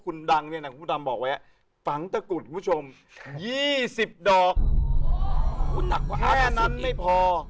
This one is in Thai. แค่นั้นไม่พอ